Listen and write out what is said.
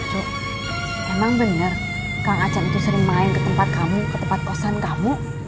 cuma memang benar kang aceh itu sering main ke tempat kamu ke tempat kosan kamu